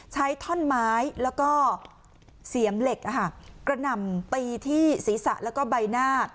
ใช้ท่อนไม้แล้วก็เสียมเหล็กกระหน่ำตีที่ศีรษะแล้วก็ใบหน้า